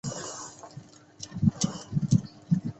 大叶矮金莲花为毛茛科金莲花属下的一个变种。